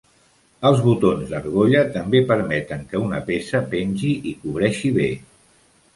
Els botons d'argolla també permeten que una peça pengi i cobreixi bé.